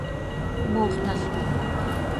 mooxnalcoj.